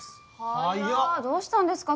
早っどうしたんですか？